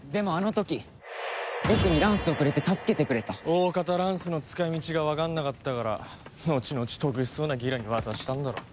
おおかたランスの使い道がわかんなかったからのちのち得しそうなギラに渡したんだろ。